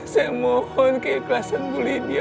saya mohon keikhlasan bu lydia